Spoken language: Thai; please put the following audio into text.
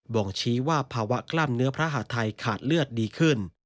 ่งชี้ว่าภาวะกล้ามเนื้อพระหาทัยขาดเลือดดีขึ้น